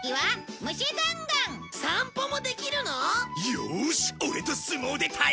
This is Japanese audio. よーしオレと相撲で対決だ！